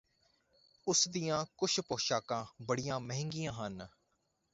ਉਸ ਦੀਆਂ ਕੁਝ ਪੋਸ਼ਾਕਾਂ ਬੜੀਆਂ ਮਹਿੰਗੀਆਂ ਹਨ